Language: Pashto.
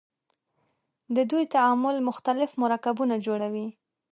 د دوی تعامل مختلف مرکبونه جوړوي.